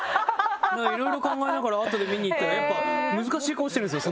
いろいろ考えながら後で見に行ったらやっぱ難しい顔してるんですよ